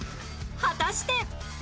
果たして